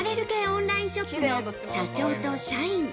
オンラインショップの社長と社員。